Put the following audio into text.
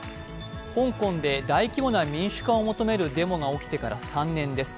香港で大規模な民主化を求めるデモが起きてから３年です。